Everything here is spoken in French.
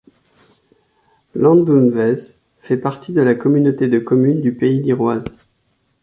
Landunvez fait partie de la communauté de communes du pays d'Iroise.